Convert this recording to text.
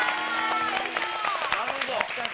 なるほど。